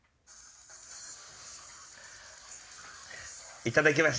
いただきます。